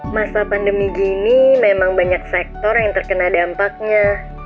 masa pandemi gini memang banyak sektor yang terkena dampaknya